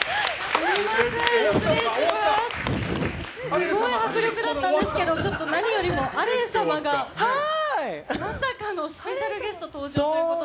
すごい迫力だったんですけど何よりもアレン様がまさかのスペシャルゲスト登場ということで。